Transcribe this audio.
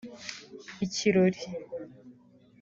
Ikirori